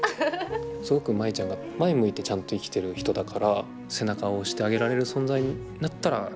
すごく舞ちゃんが前向いてちゃんと生きてる人だから背中を押してあげられる存在になったらいいかなみたいな。